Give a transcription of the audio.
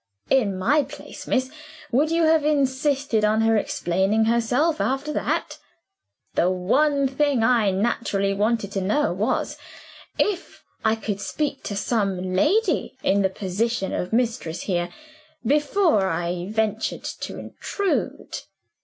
In my place, miss, would you have insisted on her explaining herself, after that? The one thing I naturally wanted to know was, if I could speak to some lady, in the position of mistress here, before I ventured to intrude.